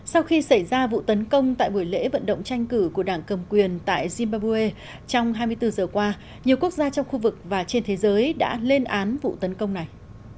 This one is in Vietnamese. sau khi xảy ra vụ tấn công tại buổi lễ vận động tranh cử của đảng cầm quyền tại zimbabwe trong hai mươi bốn giờ qua nhiều quốc gia trong khu vực và trên thế giới đã lên án vụ tấn công này